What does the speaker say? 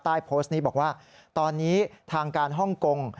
ใต้โพสต์นี้บอกว่าตอนนี้ทางการฮ่องกง